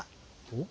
おっ。